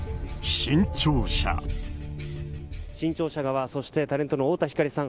新潮社側そしてタレントの太田光さん